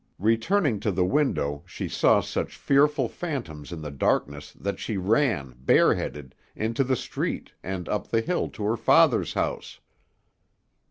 Returning to the window, she saw such fearful phantoms in the darkness that she ran, bareheaded, into the street, and up the hill to her father's house.